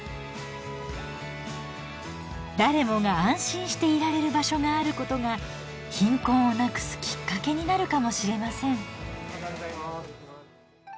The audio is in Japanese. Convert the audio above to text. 誰もが安心していられる場所があることが貧困をなくすきっかけになるかもしれません。